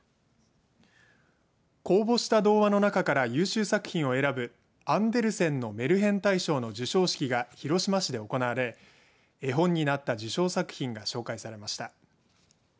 公募した童話の中から優秀作品を選ぶアンデルセンのメルヘン大賞の授賞式が広島市で行われ絵本になった受賞作品が紹介されました。